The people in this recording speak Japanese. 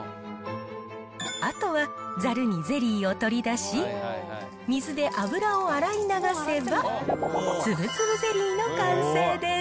あとは、ざるにゼリーを取り出し、水で油を洗い流せば、つぶつぶゼリーの完成です。